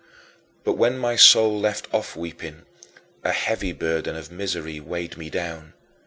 But when my soul left off weeping, a heavy burden of misery weighed me down.